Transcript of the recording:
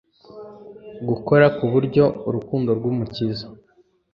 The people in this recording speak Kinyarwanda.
gukora ku buryo urukundo rw'Umukiza,